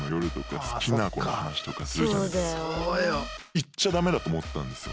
言っちゃダメだと思ってたんですよ